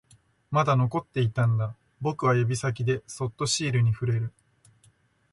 まだ残っていたんだ、僕は指先でそっとシールに触れる